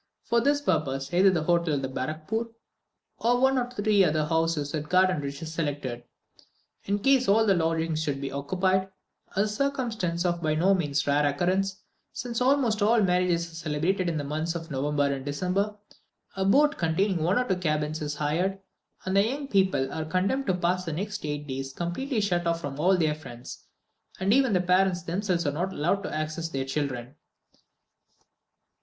For this purpose, either the hotel at Barrackpore or one of two or three houses at Gardenrich is selected. In case all the lodgings should be occupied, a circumstance of by no means rare occurrence, since almost all marriages are celebrated in the months of November and December, a boat containing one or two cabins is hired, and the young people are condemned to pass the next eight days completely shut up from all their friends, and even the parents themselves are not allowed access to their children.